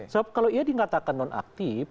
sebab kalau ia dikatakan nonaktif